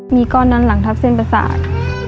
มีก้อนด้านหลังทับเส้นประสาท